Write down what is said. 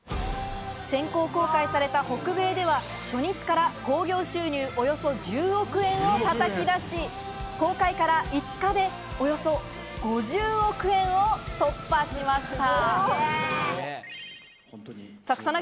先行公開された北米では初日から興行収入およそ１０億円を叩き出し、公開から５日でおよそ５０億円を突破しました。